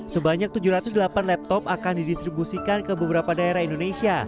sebanyak tujuh ratus delapan laptop akan didistribusikan ke beberapa daerah indonesia